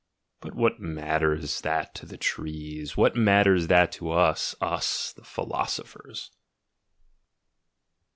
— But what matters that to the trees? What matters that to us, us the philosophers?